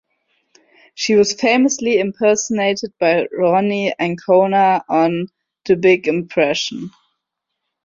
She was famously impersonated by Ronni Ancona on "The Big Impression".